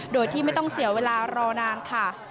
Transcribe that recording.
โดยที่ไม่ต้องเสียเวลารอนานค่ะ